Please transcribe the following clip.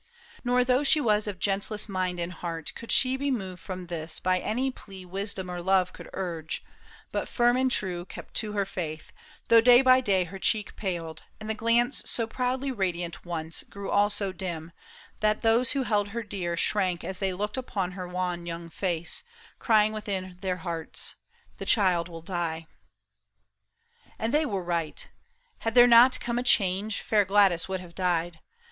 Nor though she was of gentlest mind and heart Could she be moved from this by any plea Wisdom or love could urge, but firm and true Kept to her faith, though day by day her cheek Paled, and the glance so proudly radiant once Grew all so dim, that those who held her dear Shrank as they looked upon her wan young face, Crying within their hearts, '' The child will die." And they were right ; had there not come a change Fair Gladys would have died.